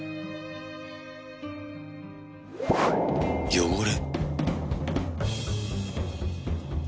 汚れ？